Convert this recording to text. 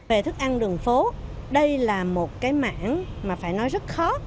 về thức ăn đường phố đây là một cái mảng mà phải nói rất khó